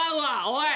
おい！